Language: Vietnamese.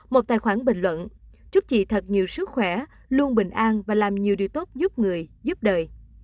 một tài khoản bình luận giúp chị thật nhiều sức khỏe luôn bình an và làm nhiều điều tốt giúp người giúp đời